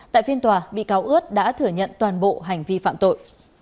tại phiên tòa bị cáo ướt đã thừa nhận toàn bộ hành vi phạm tội